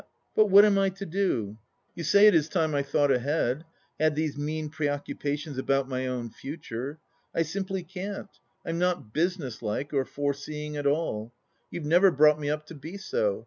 But what am I to do ? You say it is time I thought ahead — had these mean preoccupations about my own future. ... I simply can't. ... I'm not businesslike, or foreseeing at all. You've never brought me up to be so.